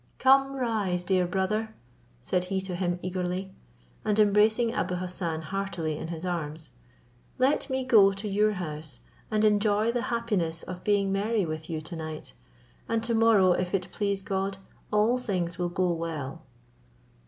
"Come, rise, dear brother," said he to him eagerly, and embracing Abou Hassan heartily in his arms; "let me go to your house, and enjoy the happiness of being merry with you to night; and to morrow, if it please God, all things will go well."